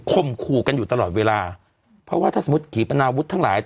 มขู่กันอยู่ตลอดเวลาเพราะว่าถ้าสมมุติขีปนาวุฒิทั้งหลาย